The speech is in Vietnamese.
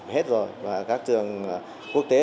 hết rồi và các trường quốc tế